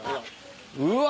うわ！